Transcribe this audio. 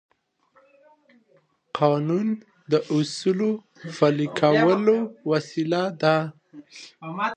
قانون د اصولو د پلي کولو وسیله ده.